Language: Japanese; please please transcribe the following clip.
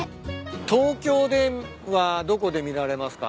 東京ではどこで見られますか？